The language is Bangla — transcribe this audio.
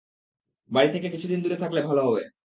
বাড়ি থেকে কিছুদিন দূরে থাকলে ভালো হবে।